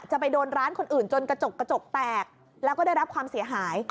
จะไปโดนร้านคนอื่นจนกระจกกระจกแตกแล้วก็ได้รับความเสียหาย